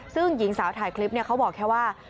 ซึ่งหญิงสาวถ่ายคลิปเขาบอกแค่ว่า